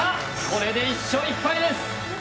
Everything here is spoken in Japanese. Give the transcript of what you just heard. これで１勝１敗です